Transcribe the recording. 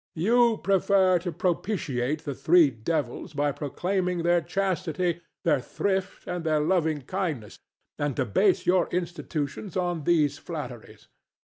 You prefer to propitiate the three devils by proclaiming their chastity, their thrift, and their loving kindness; and to base your institutions on these flatteries.